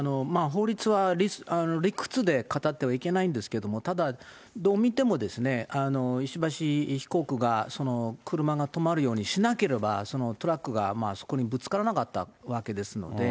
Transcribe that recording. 法律は理屈で語ってはいけないんですけども、ただ、どう見ても、石橋被告がその車が止まるようにしなければ、トラックがそこにぶつからなかったわけですので。